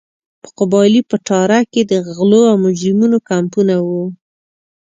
په قبایلي پټاره کې د غلو او مجرمینو کمپونه وو.